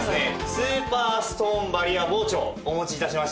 スーパーストーンバリア包丁お持ち致しました。